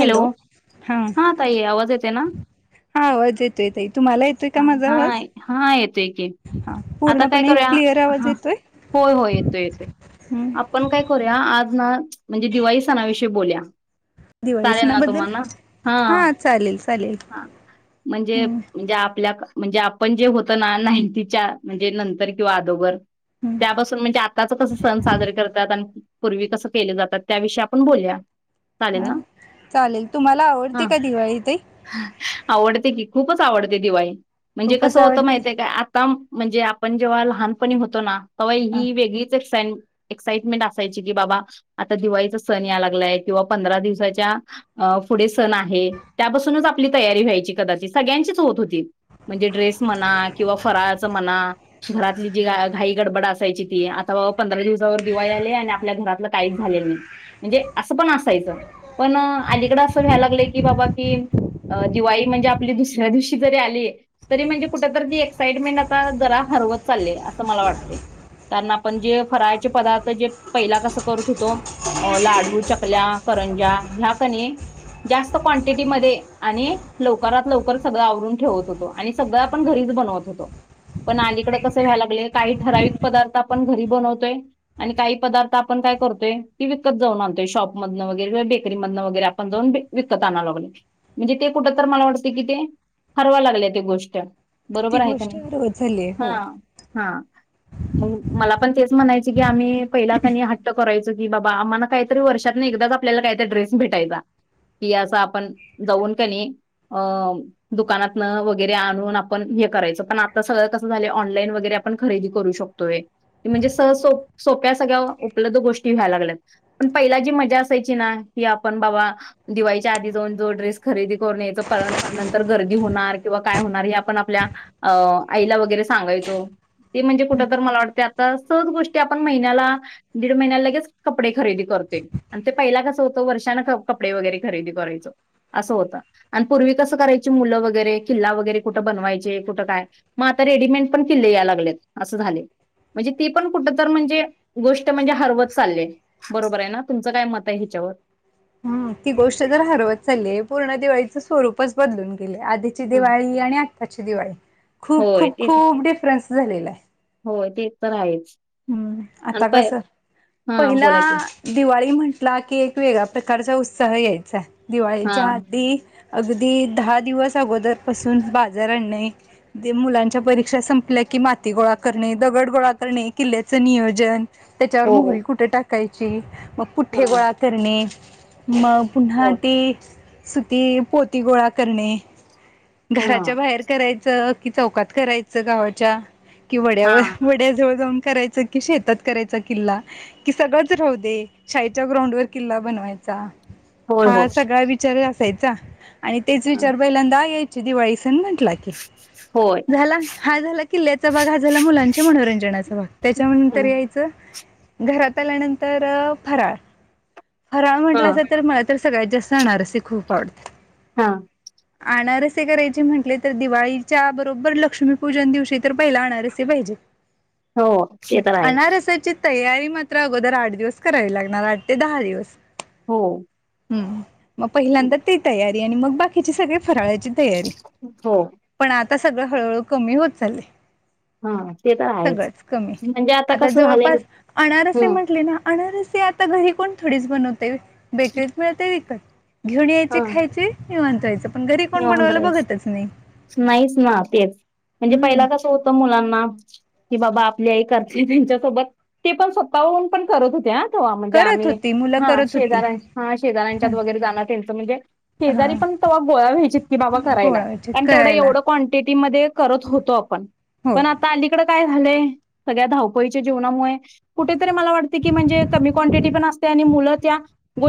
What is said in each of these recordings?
Hello हा ताई आवाज येते ना. हा आवाज येतोय ताई तुम्हाला येतोय हा काय माझा हा आवाज? हा येतोय की हा आता काय पूर्णपणे करूया क्लिअर आवाज हा येतोय? होय होय येतो येते. हम्म. आपण काय करूया आज ना म्हणजे दिवाळी सणाविषयी बोल्या. दिवाळी चालेल ना सणाबद्दल तुम्हाना हा चालेल चालेल हा म्हणजे हम्म म्हणजे आपल्या म्हणजे आपण जे होतं ना नाईंटीच्या म्हणजे नंतर किंवा अदोगर हम्म त्यापासून म्हणजे आताच कसं सण साजरे करतात आणि पूर्वी कसं केले जातात त्या विषयी आपण बोलू चालेल हा ना? चालेल तुम्हाला आवडते हा काय दिवाळी ताई? आवडते की खूपच आवडते दिवाळी म्हणजे खूपच कसं होतं आवडते माहित आहे का आ तम म्हणजे आपण जेव्हा लहानपणी होतो ना तेव्हा हा ही वेगळीच एक सन एक्साइटमेंट असायची कि बाबा आता दिवाळीचा सण या लागलाय किंवा पंधरा दिवसा त्या फूढे सण आहे त्यापासूनच आपली तयारी व्हायची कदाचित सगळ्यांचीच होत होती. म्हणजे ड्रेस म्हणा किंवा फराळाच म्हणा घरातली जी घाई गडबड असायची ती आता बाबा पंधरा दिवसावर दिवाळी आली आणि आपल्या घरातलं काहीच झालेलं नाही. म्हणजे असं पण असायचं पण अलीकडं असं व्याय लागलं की बाबा कि दिवाळी म्हणजे आपली दुसऱ्या दिवशी जरी आली तरी म्हणजे कुठं तरी ती एक्साइटमेंट आता जरा हरवत चालले असं मला वाटते. कारण आपण जे फराळचे पदार्थ जे पहिला कसं करत होतो अ लाडू चकल्या करंजा ह्या क नाही जास्त क्वांटिटी मध्ये आणि लवकरात लवकर सगळं आवरून ठेवत होतो, आणि सगळं आपण घरीच बनवत होतो, पण अलीकड कसं व्हायला लागलय काही ठराविक पदार्थ आपण घरी बनवतोय, आणि काही पदार्थ आपण काय करतोय ती विकत जाऊन आणतोय शॉपमधन वगैरे, री मधन वगैरे आपण जाऊन विकत आणा लागलोय, म्हणजे ते कुठ तर मला वाटते की ते हरवा लागले ती गोष्ट, ती बरोबर आहे का गोष्ट नाही हरवत झाली आहे हो हा हा! मग मला पण तेच म्हणायचे की आम्ही पहिला कनी हट्ट करायचो की बाबा आम्हाला काय, वर्षात एकदा आपल्याला काही ड्रेस भेटायचा की अस आपण जाऊन का नाही, अ दुकानातन वगैरे आणून आपण हे करायचं पण आता सगळं कसं झालं ऑनलाईन वगैरे, आपण खरेदी करू शकतोय म्हणजे सह सोप्या सगळ्या उपलब्ध गोष्टी व्हाय लागल्यात, पण पहिला जी मजा असायची ना की आपण बाबा, दिवाळीच्या आधी जाऊन जो ड्रेस खरेदी करून यायचो नंतर गर्दी होणार किंवा काय होणार हे आपण आपल्या अ आईला वगैरे सांगायचो, ते म्हणजे कुठ तर मला वाटते आता सहज गोष्टी आपण महिन्याला, दीड महिन्या लगेच कपडे खरेदी करतोय आणि ते पहिला कसं होतय तो वर्षान कपडे वगैरे खरेदी करायचो--तो असं होतं आणि पूर्वी कसं करायची मुलं वगैरे किल्ला वगैरे कुठं बनवायचे कुठं काय मग आता रेडीमेड पण किल्ले या लागलेत असं झाले, म्हणजे ती पण कुठ तर म्हणजे गोष्ट म्हणजे हरवत चालय बरोबर आहे ना तुमचं काय मत आहे ह्यीच्यावर? हम ती गोष्ट जर हरवत चाली पूर्ण दिवाळीचं स्वरूपच बदलून गेले आधी ची हम्म. दिवाळी आणि आत्ताची दिवाळी खूप होय खूप ते खूप डिफरन्स झालेला आहे. होय ते तर आहेच, हम्म आणि आता प कस हा पहिला बोला की दिवाळी म्हंटला की एक वेगळ्या प्रकारचा उत्साह यायचा आहे हा. दिवाळीच्या आधी, अगदी दहा दिवस अगोदरपसून बाजार आणणे, ते मुलांच्या परीक्षा संपल्या की माती गोळा करणे दगड गोळा करणे, किल्ल्याचं नियोजन त्याच्यावर हो हो मोहरी कुठे टाकायची मग पुठ्ठे हा गोळा करणे मग पुन्हा हो ते, सुती पोती गोळा करणे हा. घराच्या बाहेर, करायचं की चौकात करायचं गावाच्या कि हा वड्यावर वड्या जवळ जाऊन, करायचं की शेतात करायचा किल्ला कि सगळंच राहू दे शाळेच्या ग्राउंड वर किल्ला बनवायचा होय हो हा सगळा विचार असायचा आणि तेच हा, विचार पहिल्यांदा यायचे दिवाळी सण म्हटला होय. झाला हा झाला किल्ल्याचा भाग हा झाला मुलांच्या मनोरंजनाचा भाग त्याच्यानंतर घरात आल्यानंतर फराळ फराळ हा म्हटलं अस तर तर सगळ्यात जास्त अनारसी खूप आवडते हा- अनारसे करायचे म्हटले तर दिवाळीच्या बरोबर लक्ष्मीपूजन दिवशी तर पहिला अनारसे पाहिजे हो म ते तर आहेच अनारसाची तयारी मात्र अगोदर आठ दिवस करावी लागणार आठ ते दहा दिवस हो हम् मग पहिल्यांदा ते तयारी आणि मग बाकीचे सगळे फराळची तयारी हो. पण आता सगळं हळूहळू कमी होत चालय- हा ते तर आहेच, कमी म्हणजे आता कसं झालंय जवळपास अनारस हम्म म्हण अनारसे आता घरी कोण थोडीच बनवते बेकरीत मिळते विकत घेऊन यायचे हा खायचे निवांंत व्हायचं. पण घरी कोण निवांत बनवायला बघतच नाही रहायचं नाहीच ना तेच म्हणजे हम्म. पहिला कसं होतं मुलांना की बाबा आपली आई करते त्यांच्यासोबत ते पण स्वतःहून पण करत होत्या. म्हणजे करत आम्ही होती मुलं हा करत होती शेजार हा शेजऱ्यांच्यात हां वगैरे जाणार त्यांचं म्हणजे जरी हां पण गो व्याय की बा कराय गोळायचे तेव करायला एवढ क्टिटी करत होतो आप. होय आता अलीकड काय झालंय सगळ्या धावपळीच्या जीवनामुळे ण क क पण गो.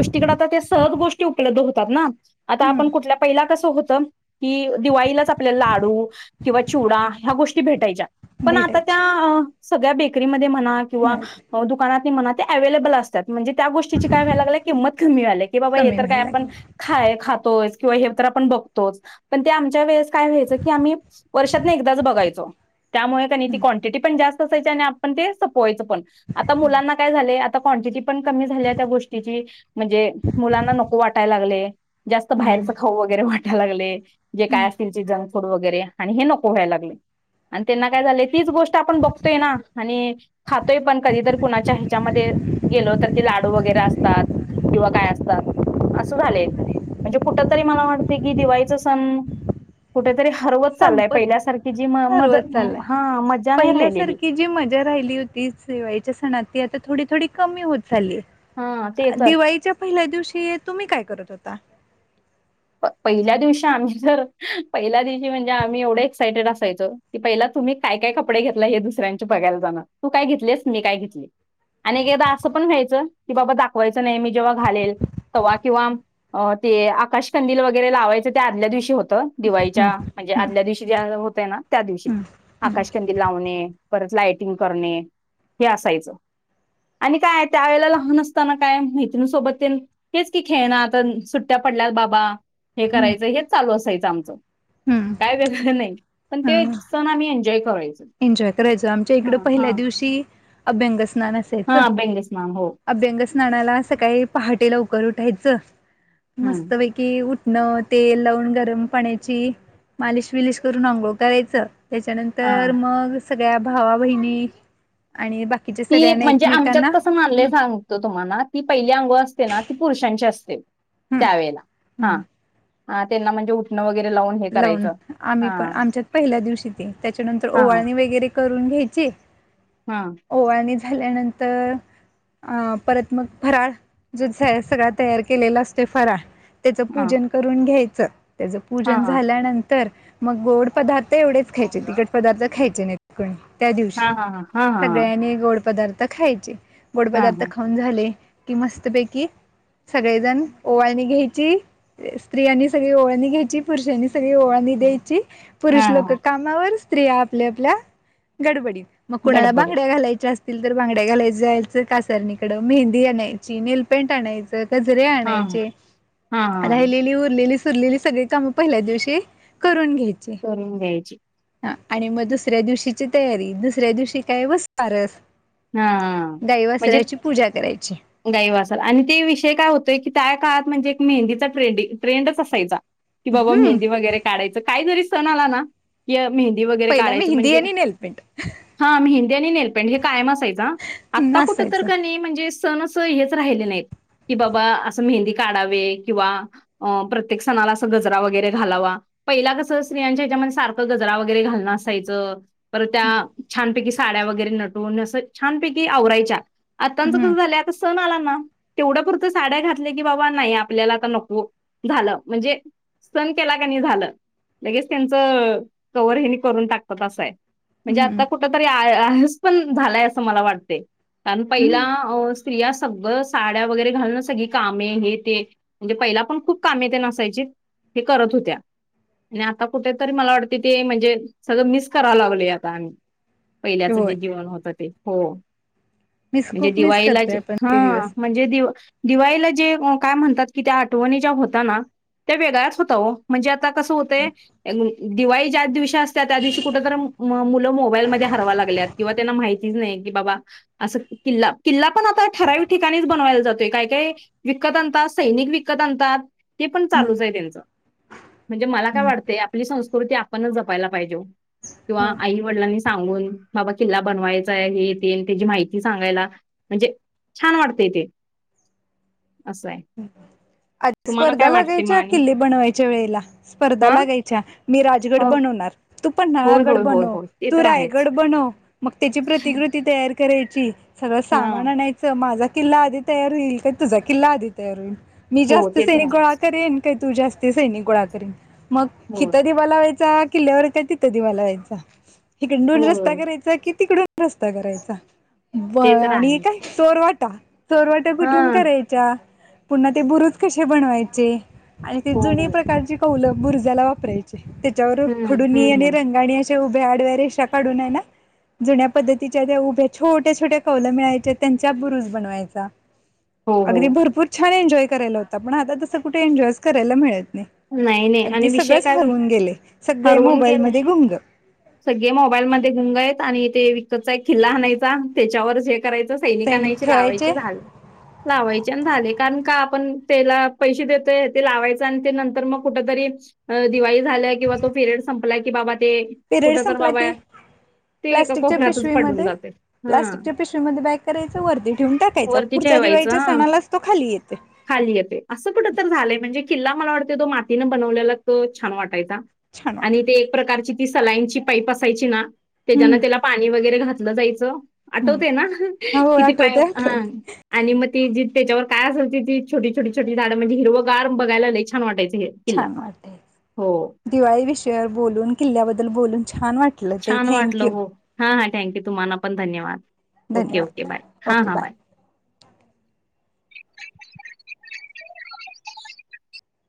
सहज गोष्टी उपलब्ध होतात ना आता हं आपण कुठल्या पहिला कसं होतं. कि दिवाळीलाच आपल्याला लाडू किंवा चिवडा ह्या गोष्टी भेटायच्या पण आता भेटायचे त्या सगळ्या बेकरीमध्ये म्हणा किंवा माहिती दुकाना म्हणा अवलेबल अस. म्हणजे त्या गोष्टीची काय व्हायला लाग किंमत कमी वय की बा कमी तर काय व्हायला आपण लागले खाय खातो. किंवा हे तर आपण बघतोच पण ते आमच्या वेळेस काय व्हायचं की आम्ही वर्षात ना एकदाच बघायचो. त्यामुळे का ती क्वांटिटी पण जास्त असायची आणि आपण ते पोयच पण आता मुलांना काय झाय आ कटिटी क झा गो म्हणज मु नको वा ला. हं खाऊ वगैरे वाटायला लागले जे हं काय असतील ते जंक फूड वगैरे आणि हे नको व्हायला लागले. आणि त्यांना काय झालंय तीच गोष्ट आपण बघतोय ना आणि खातोय पण कधीतर कुणाच्या ह्याच्यामध्ये गेल तर ते लाडू वगैरे असतात किंवा काय असतात असं झालेल म्हणजे कुठ? कठ तरी मला वाटते की दिवाळीचा सण कुठेतरी हरवत चाललंय संपत पहिल्यासारखी जी हा म रोज चाललाय हा मज्जा नाही राहिलेली. पहिल्यासारखी जी मजा राहिली होती शिवायच्या सणात ती आता थोडी थोडी कमी होत झाली. हा तेच दिवाळीच्या पहिल्या दिवशी तुम्ही काय करत होता. पहिल्या दिवशी आम्ही तर पहिल्या दिवशी म्हणजे आम्ही एवढे एक्सायटेड असायचो. ती पहिला तुम्ही काय काय कपडे घेतला हे दुसऱ्यांचे बघायला जाणार तू काय घेतलेस मी काय घेतली. आणि एकदा असं पण व्यायचं की बाबा दाखवायचं नाही मी जेव्हा घालेल. त किंवा ते आकाश ंदील वगैरे लावायचं ते आदल्या दिवशी होतं दिवाळीच्या े हं आदल्या दिवशी ज होतय ना त्या दिवशी हं आकाशकंदी लावणे परत लायटिंग करणे हे असायचं. आणि काय त्यावेेळेला लहान असताना काय मैत्रिणीसोबत ते हेच की खेळना तर सुट्ट्या पडल्यात बाबा हे करायचं हेच चालू असायचं आमचं. हम्म. का वेग नाही पण ते सण आम्ही एन्जॉय करायचो. एन्जॉय करायचं आमच्या हा इकडं हा. पहिल्या दिवशी अभ्यंग स्नान अस. हा बेंगस माम हो. अभ्यंग स्नानाला सकाळी पहाटे लवकर उठायचं हम्म. मस्त वै कि उठणं तेल लावून गरम पाण्याची मालिश विलिश करून आंघोळ करायचं. हा. त्याच्यानंतर मग सगळ्या भावा बहिणी आणि बाकीच्या सगळ्यांना एकमेकांना मनले हं सांगू. तुम्हाला ती पहिली अंगोळ असते ना ती पुरुषांची असते हं त्यावेळेला हा. हं ह त्यांना म्हणजे [unintelligible] वगैरे लावून हे लावून करायचं. आम्ही हा पण आमच्यात पहिल्या दिवशी ते त्याच्यानंतर हा ओवाळणी वगैरे करून घ्यायची. हा. ओवाणी झाल्यानंतर अ परत मग फराळ जो आहे सगळा तयार केलेला असतो फराळ त्याचं हा पूजन करून घ्यायचं त्याचं हा पूजन हा झाल्यानंतर म गोड पदार्थ एवढेच खायचे तिकट पदार्थ खायचे नाहीत. कण त्या हा दिवशी हा हा हा सगळ्यांनी गोड पदार्थ खायचे गोड पदार्थ हा. खा ऊन झाले कि मस्तपैकी सगळेजण ओवाळणी घ्यायची स्त्रियांनी सगळी ओवाळनी घ्यायची पुरुषांनी सगळी ओवाळनि हा. द्यायची हा पुरुष लोक हा कामावर स्त्रिया आपल्या-आपल्या गडबडीत मग कुणाला गडबड बांगड्या घालायच्या अस तिल तर बांगड्या घालाय जायच कासारणीकडं मेहंदी आणायची नेल पेन्ट आणायच कजरे हा आणायचे हा हा राहिलेली उरलेली सुरलेली सगळी काम पहिल्या दिवशी करून घ्याय करून द्यायची. हा आणि म दुसऱ्या दिवशीची तयारी दुसऱ्या दिवशी काय वसुबारस. हा गाई म्हणजे वासराची पूजा करायची. गाई वासरं आणि ते विषय काय होतय की त्या काळात म्हणजे एक मेहंदीचा ट्रेंडि ट्रेंडच असायचा. कि बाबा हम्म मेहंदी वगैरे काढायचं काहीजरी सण आला ना कि मेहंदी वगैरे पहिला काढायचं मेहंदी म्हणजे आणि नेलपेंट हा मेहंदी आणि नेल पेंट हे कायम असायचं हां आत्ता कुठं तर असायचं क नई म्हणजे सण अस हेच राहिले नाहीत की बाबा आसं मेहंदी काढावे किंवा अ प्रत्येक सणालाआसं गजरा वगैरे घालावा. पहिला कसं स्त्रियांच्या ह्याच्यामध्ये सारखं गजरा वगैरे घालणं असायचं. पर त्या छानपैकी साड्या वगैरे नटून असं छानपैकी आवरायच्या आत्तांचं हम्म कसं झाल्या सण आला ना तेवढ्या पुुरत साड्या घातल्या की बाबा नाही आपल्याला आता नको झालं म्हणजे सन केला क नाही झालं लगेच त्यांच कवर हेनी करून टाकतात आसं हाय. म्हणजे हम्म आता कुठ तरी आ आळस पण झालाय असं मला वाटते. कारण पहिला हम्म अ स्त्रिया सगळं साड्या वगैरे घालून सगळी कामे हे ते म्हणजे पहिला पण खूप कामे त्याना असायची ते करत होत्या. आणि आता कुठंतरी मला वाटते ते म्हणजे सगळं मिस करायला लागलय आता आम्ही. पहिल्याच होय जे जीवन होतं ते. हो मीस म्हणजे खूप मिस दिवाळीला करतोय जे आपण हा ते दिवस म्हणजे दिवा दिवाळीला जे काय म्हणतात की त्या आठवणी ज्या होता ना त्या वेगळ्याच होता हो. म्हणजे आता कसं होतंय दिवाळी ज्या दिवशी त्या असतात त्या दिवशी कुठंतरी मुलं मोबाईल मध्ये हरवाय लागतात किंवा त्यांना माहि हितीच नाही की बाबा आस किल्ला-किल्ला पण आता ठराविक ठिकाणीच बनवायला जातोय काय-काय विकत आणतात सैनिक विकत आणतात. ते पण चालूच आहे त्यांचं म्हणजे मला काय हम्म वाटतंया. आपली संस्कृती आपणच जपायला पाहिजे हो किंवा हो आई वडिलांनी सांगून बाबा किल्ला बनवायचा आहे हे ते नं त्याची माहिती सांगायला म्हणजे छान वाटतयं ते आसं आहे. आध तुम्हाला स्पर्धा काय वाटते मग लागायच्या आणि? किल्ले बनवायच्या वेळेला स्पर्धा हां? लागायच्या मी राजगड हो. बनवणार. तू होय, पन्हाळागड होय, होय, बनव होय. ते तू तर रायगड आहेच. बनव मग त्याची प्रतिकृत ती तयार करायची. सगळं हां. सामान आणायचं. माझा किल्ला आधी तयार होईल का तुझा किल्ला आधी तयार होईल मी हो, जास्त ते तर सैनिक गोळा आहेच. करेन. ते तुझ्या हस्ते सैनिक गोळा करीन मग होय. हित दिवा लावायचा किल्यावर का तित दिवा लावायचा हिकनडून रस्ता होय. करायचा कि तिकडून रस्ता करायचा. ब ते तर आणि आहेच. काय चोरवाटा चोरवाटा कुठून हां. कराय च्या पुन्हा ते बुरुज कसे बणवायचे आणि ते हो, जुनी हो. प्रकारची पाऊल बुरजाला वापरायचे त्याच्यावर हं, हं, खडुनी आणि हं. रंगाणी शे उभ्या आडव्या रेशा काढून आहे ना जुन्या पद्धतीच्या त्या उभ्या छोट्या-छोट्या कवल्या मिळायच्या त्यांच्या बुरुस बनवायचा. हो, हो. अगदी भरपूर छान एन्जॉय करायला होता. पण आता तसं कुठे एन्जॉयच, करायला मिळत नाही. नाही, नाही अगदी आणि विषय सगळच काय हरवून गेले, सगळे हरवून मोबाईल गेलाय. मध्ये गुंग. सगळे मोबाईल, मध्ये गुंग आहेत आणि ते विकतचा एक, खिल्ला आणायचा त्याच्यावर जे. करायच सैनिकांना सैनिक याची ठेवायचे लावायचे झालं. लावायचे झाले कारण का आपण त्याला पैसे देतोय, ते लावायच आणि ते नंतर. तर मग कुठ तरी, दिवाळी झाल्या किंवा तो पिरियड संपलाय, की बाबा ते कुठ पिरियड तर संपला बाबा की ते एका प्लाॅस्टिकच्या कोपऱ्यातच पडून पिशवीमध्ये जाते हा प्लास्टिकच्या, पिशवीमध्ये बॅक करायचं वरती ठेवून टाकायचं. वरती पुढच्या ठेवायचं दिवाळीच्या, हा सणालाच तो खाली येते. खाली येते असं कुठं तर झालंय, म्हणजे किल्ला मला वाटतो. तो मातीनं बनवलेला तो छान वाटायचा. छान वाटल आणि ते एक प्रकारची ती सलाईनची, पाईप असायची ना हम्म त्याच्याना त्याला पाणी वगैरे घात जायचं आठवते, हम्म ना हो किती पाया आठवते आठवते हा. आणि मग ती जी त्याच्यावर काय असेल, ती छोटी-छोट-छोटी झाडं म्हणजे. हिरो गार् बघायला लायची. छान वाटयचं हे. किल्ला. छान वाटते हो. दिवाळी विषयावर बोलून, किल्ल्याबद्दल बोलून छान वाटते. छान वाटलं हो, हा हा थँक्यू तुम्हाला, पण धन्यवाद ओके ओके धन्यवाद बाय हा ओके हां बाय.